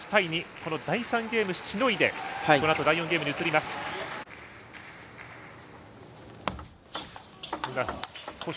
この第３ゲームしのいでこのあと第４ゲームに移ります。